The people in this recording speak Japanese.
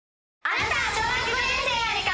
あなたは。